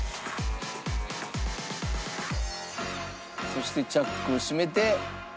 そしてチャックを閉めて。